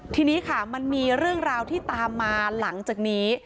ทีนี้ค่ะมันมีเรื่องราวที่ตามมาหลังจากนี้